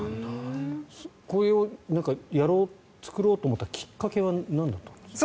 こういう、やろう作ろうと思ったきっかけはなんだったんですか。